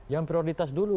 yang prioritas dulu